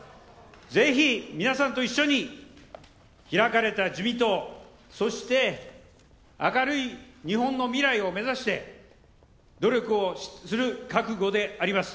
ぜひ、皆さんと一緒に開かれた自民党そして、明るい日本の未来を目指して努力をする覚悟であります。